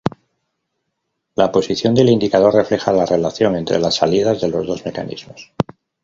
La posición del indicador refleja la relación entre las salidas de los dos mecanismos.